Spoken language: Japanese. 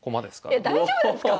いや大丈夫なんですか